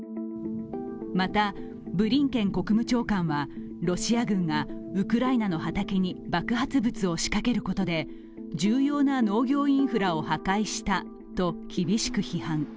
また、ブリンケン国務長官はロシア軍がウクライナの畑に爆発物を仕掛けることで重要な農業インフラを破壊したと厳しく批判。